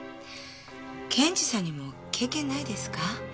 検事さんにも経験ないですか？